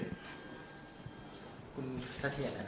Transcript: คุณสทธิ์แห่งอะไรนะครับ